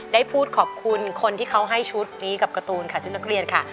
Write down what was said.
ได้พูดขอบคุณคนที่เขาให้ชุดนี้กับการ์ตูนค่ะชุดนักเรียนค่ะ